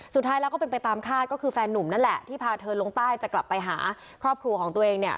สุดท้ายแล้วก็เป็นไปตามคาดก็คือแฟนนุ่มนั่นแหละที่พาเธอลงใต้จะกลับไปหาครอบครัวของตัวเองเนี่ย